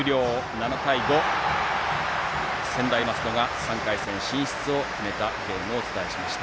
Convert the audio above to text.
７対５、専大松戸が３回戦進出を決めたゲームをお伝えしました。